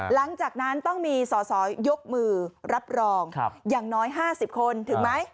หลังจากนั้นต้องมีสอสอยกมือรับรองอย่างน้อย๕๐คนถึงไหม